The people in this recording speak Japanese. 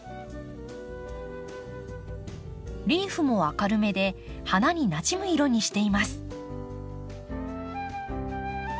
リーフも明るめで花になじむ色にしています。